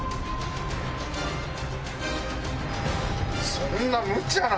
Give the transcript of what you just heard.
そんなむちゃな！